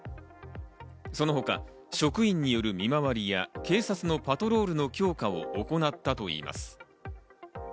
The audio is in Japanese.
その他、職員による見回りや警察のパトロールの強化を行ったといいます。